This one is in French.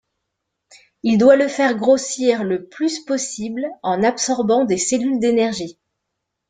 Il doit le faire grossir le plus possible en absorbant des cellules d'énergie.